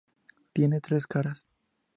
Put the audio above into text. Tiene tres caras.